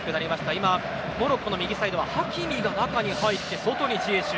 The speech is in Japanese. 今、モロッコの右サイドはハキミが中に入って外にジエシュ。